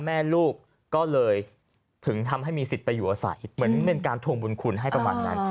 แม่ลูกก็เลยถึงทำให้มีสิทธิ์ไปอยู่อาศัยเหมือนเป็นการทวงบุญคุณให้ประมาณนั้น